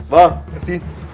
vâng em xin